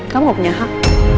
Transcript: kamu gak punya hak